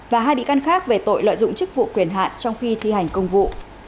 và hai bị can khác về tội lợi dụng chức vụ quyền hạn trong khi thi hành công vụ